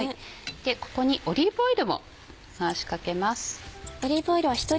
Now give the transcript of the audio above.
ここにオリーブオイルも回しかけます。